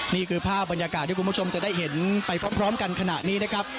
นี่คือภาพบรรยากาศที่คุณผู้ชมจะได้เห็นไปพร้อมกันขณะนี้นะครับ